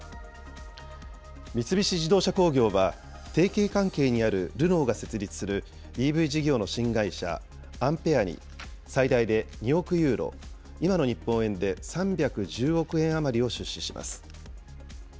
三菱自動車工業は、提携関係にあるルノーが設立するＥＶ事業の新会社、アンペアに、最大で２億ユーロ、今の日本円で３１０億円余りを出資します。